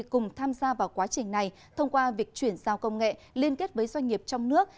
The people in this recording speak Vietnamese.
cùng tham gia vào quá trình này thông qua việc chuyển giao công nghệ liên kết với doanh nghiệp trong nước